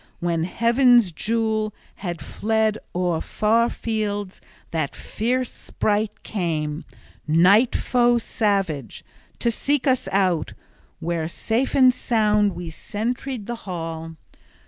When heaven's jewel had fled o'er far fields, that fierce sprite came, night foe savage, to seek us out where safe and sound we sentried the hall.